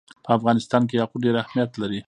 په افغانستان کې یاقوت ډېر اهمیت لري.